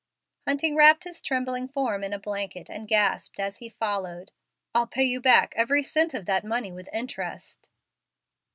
Hunting wrapped his trembling form in a blanket and gasped, as he followed, "I'll pay you back every cent of that money with interest."